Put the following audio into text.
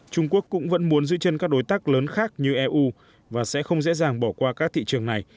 trung quốc cũng vẫn muốn giữ chân các đối tác lớn khác như eu và sẽ không dễ dàng bỏ qua các thị trường này